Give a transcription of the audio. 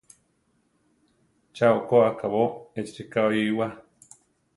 ¡Cha okó akábo échi rika oíwaa!